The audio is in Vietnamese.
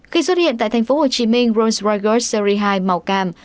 khi xuất hiện tại thành phố hồ chí minh rolls royce golf series hai màu cam